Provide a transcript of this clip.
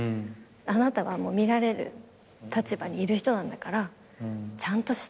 「あなたは見られる立場にいる人なんだからちゃんとして」